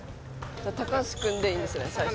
高橋くんでいいんですね最初。